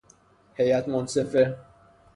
هیئت منصفه